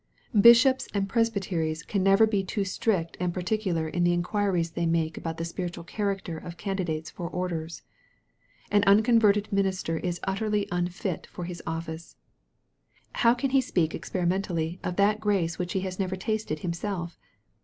Bishops and presbyteries can never be too strict and particular in the enquiries they make about the spiritual character of candidates for orders. An unconverted minister is utterly unfit for his office. How can he speak experimentally of that grace which he has never tasted himself?